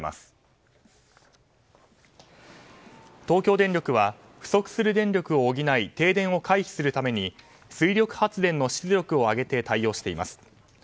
東京電力は不足する電力を補い停電を回避するために水力発電の出力を上げて対応しています。